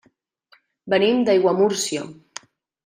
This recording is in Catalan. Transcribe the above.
Venim d'Aiguamúrcia.